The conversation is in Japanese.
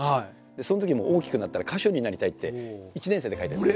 そのときにもう「大きくなったら歌手になりたい」って１年生で書いたんです。